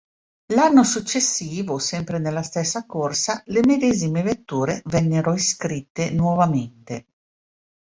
L'anno successivo, sempre nella stessa corsa, le medesime vetture vennero iscritte nuovamente.